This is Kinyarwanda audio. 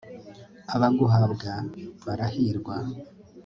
abaguhabwa barahirwa